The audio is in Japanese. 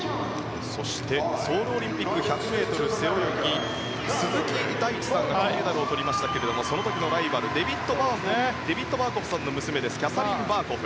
そしてソウルオリンピック１００ｍ背泳ぎで鈴木大地さんが金メダルをとりましたがその時のライバルバーコフさんの娘ですねキャサリン・バーコフ。